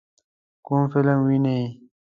کوم فلم وینئ؟